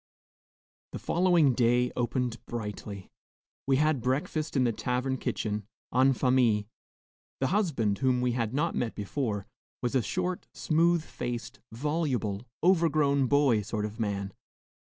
The following day opened brightly. We had breakfast in the tavern kitchen, en famille. The husband, whom we had not met before, was a short, smooth faced, voluble, overgrown boy sort of man.